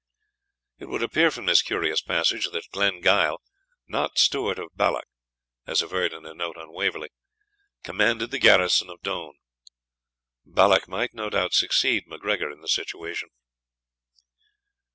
It would appear from this curious passage, that Glengyle not Stewart of Balloch, as averred in a note on Waverley commanded the garrison of Doune. Balloch might, no doubt, succeed MacGregor in the situation.